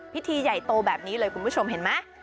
พิธีใหญ่โตแบบนี้เลยคุณผู้ชมเห็นไหม